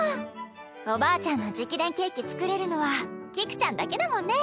おばあちゃんの直伝ケーキ作れるのは菊ちゃんだけだもんね。